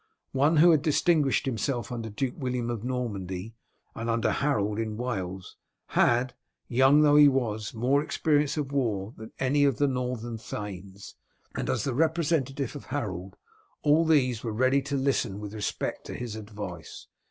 One who had distinguished himself under Duke William of Normandy, and under Harold in Wales, had, young though he was, more experience of war than any of the northern thanes, and as the representative of Harold all these were ready to listen with respect to his advice.